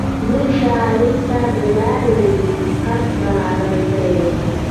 دوی شاه عالم ته د لارې خرڅ برابر کړي.